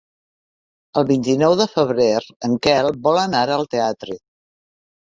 El vint-i-nou de febrer en Quel vol anar al teatre.